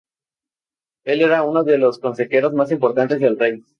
Él era uno de los consejeros más importantes del rey.